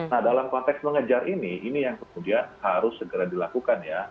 nah dalam konteks mengejar ini ini yang kemudian harus segera dilakukan ya